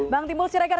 bang timbul siregar